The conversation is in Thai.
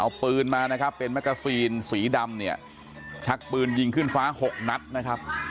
เอาปืนมานะครับเป็นแกซีนสีดำเนี่ยชักปืนยิงขึ้นฟ้า๖นัดนะครับ